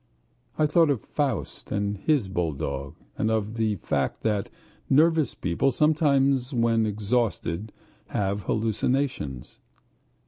I thought of Faust and his bulldog, and of the fact that nervous people sometimes when exhausted have hallucinations.